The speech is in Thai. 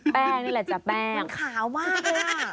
แป้งนี่แหละจ้ะแป้งมันขาวมาก